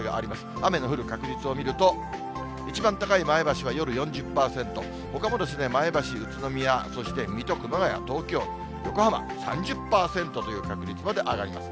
雨の降る確率を見ると、一番高い前橋は夜４０％、ほかも前橋、宇都宮、そして水戸、熊谷、東京、横浜３０％という確率まで上がります。